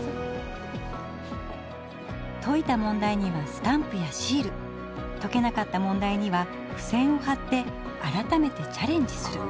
解いた問題にはスタンプやシール解けなかった問題にはふせんをはって改めてチャレンジする。